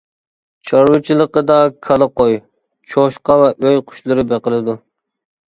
چارۋىچىلىقىدا كالا، قوي، چوشقا ۋە ئۆي قۇشلىرى بېقىلىدۇ.